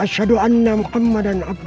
allahu akbar allahu akbar allahu akbar